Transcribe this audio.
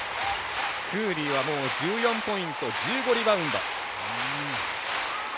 クーリーは１４ポイント１５リバウンド。